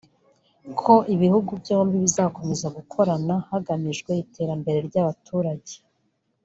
ko ibihugu byombi bizakomeza gukorana hagamijwe iterambere ry’abaturage’